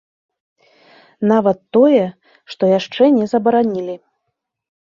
Нават тое, што яшчэ не забаранілі.